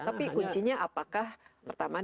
tapi kuncinya apakah pertama